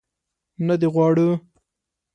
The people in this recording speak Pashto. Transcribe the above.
نه دې غواړو.